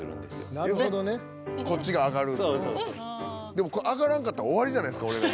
でも上がらんかったら終わりじゃないですか俺ら。